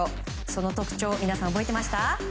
その特徴、皆さん覚えてました？